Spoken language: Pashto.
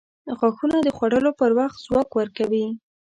• غاښونه د خوړلو پر وخت ځواک ورکوي.